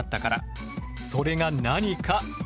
それが何か。